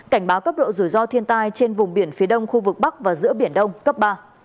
cảnh báo cấp độ rủi ro thiên tai trên vùng biển phía đông khu vực bắc và giữa biển đông cấp ba